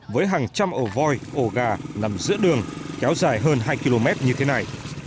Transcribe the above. với hàng trăm ổ voi ổ gà nằm giữa đường kéo dài hơn hai km như thế này